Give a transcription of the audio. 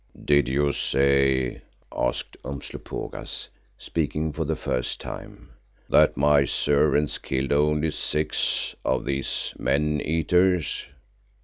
"Did you say," asked Umslopogaas, speaking for the first time, "that my servants killed only six of these men eaters?"